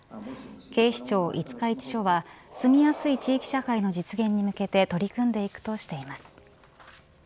警視庁五日市署は住みやすい地域社会の実現に向けて取り組んでいくとしています。